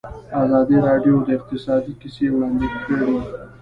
ازادي راډیو د اقتصاد کیسې وړاندې کړي.